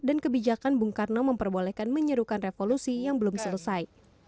dan kebijakan bung karno memperbolehkan menyerukan revolusi yang belum selesai